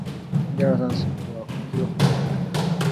每一个人通过选票表达支持或反对某一意见或候选人。